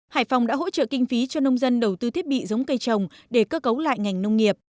hải phòng đã hỗ trợ kinh phí cho nông dân đầu tư thiết bị giống cây trồng để cơ cấu lại ngành nông nghiệp